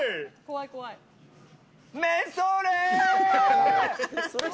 めんそれ！